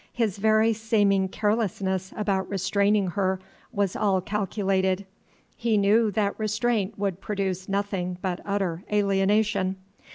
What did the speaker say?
His very seeming carelessness about restraining her was all calculated; he knew that restraint would produce nothing but utter alienation.